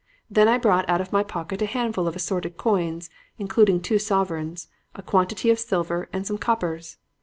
Then I brought out of my pocket a handful of assorted coins, including two sovereigns, a quantity of silver and some coppers.